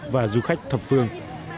và du khách thập phương